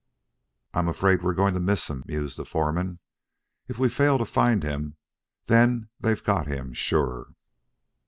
"I'm afraid we are going to miss him," mused the foreman. "If we fail to find him, then they've got him, sure."